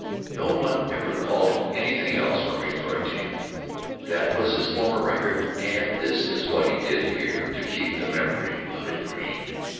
No one ever called him anything else when referring to him. That was his former record and this is what he did here to keep the memory of it green.